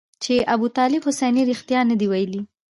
چې ابوطالب حسیني رښتیا نه دي ویلي.